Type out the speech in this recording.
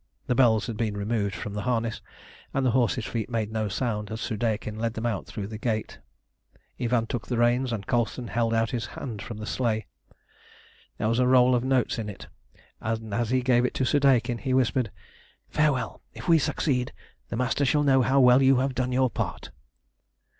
The bells had been removed from the harness, and the horses' feet made no sound as Soudeikin led them out through the gate. Ivan took the reins, and Colston held out his hand from the sleigh. There was a roll of notes in it, and as he gave it to Soudeikin he whispered "Farewell! If we succeed, the Master shall know how well you have done your part."